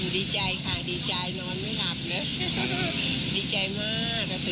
ดีใจค่ะดีใจนอนไม่หลับเลยดีใจมาก